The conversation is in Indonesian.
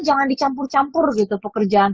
jangan dicampur campur gitu pekerjaan